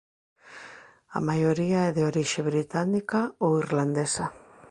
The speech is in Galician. A maioría é de orixe británica ou irlandesa.